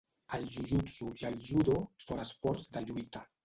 El jujutsu i el judo són esports de lluita.